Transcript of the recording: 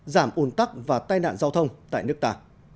giảm un tắc và tai nạn giao thông tại nước ta